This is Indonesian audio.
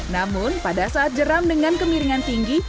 namun pada saat jeram dengan kemiringan tinggi